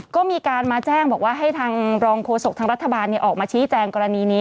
ก็มีการมาแจ้งบอกว่าให้ทางรองโฆษกทางรัฐบาลออกมาชี้แจงกรณีนี้